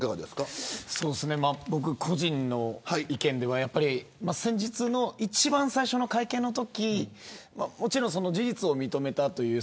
僕、個人の意見では一番最初の会見のとき事実を認めたという。